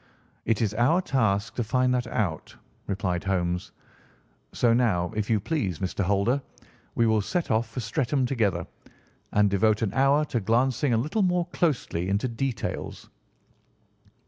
"It is our task to find that out," replied Holmes; "so now, if you please, Mr. Holder, we will set off for Streatham together, and devote an hour to glancing a little more closely into details."